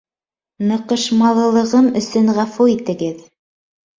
Ныҡышмалылығым өсөн ғәфү итегеҙ.